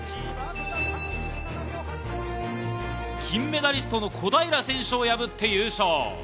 金メダリストの小平選手を破って優勝。